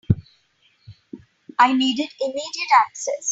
I needed immediate access.